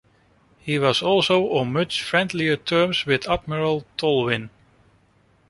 He was also on much friendlier terms with Admiral Tolwyn.